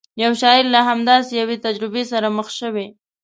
یو شاعر له همداسې یوې تجربې سره مخ شوی.